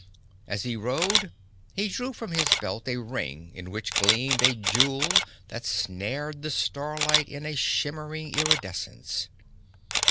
As he rode, he drew from his belt a ring in which gleamed a jewel that snared the starlight in a shimmering iridescence.